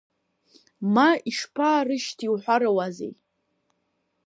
Ма ишԥаарышьҭи уҳәарауазеи…